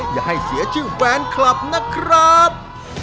อย่าให้เสียชื่อแฟนคลับนะครับ